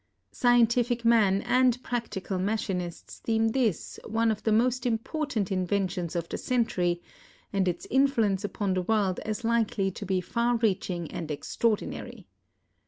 Scientific men and practical machinists deem this one of the most important inventions of the century, and its influence upon the world as likely to be far reaching and extraordinary.